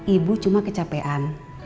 ibu cuma kecapean